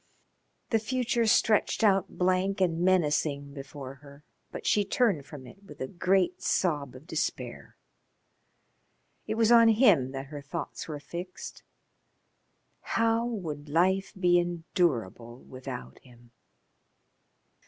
The future stretched out blank and menacing before her, but she turned from it with a great sob of despair. It was on him that her thoughts were fixed. How would life be endurable without him?